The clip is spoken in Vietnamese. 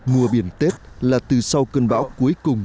mùa biển tết là từ sau cơn bão cuối cùng